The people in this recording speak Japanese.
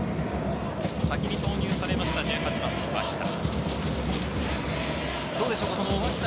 先に投入されました１８番・脇田。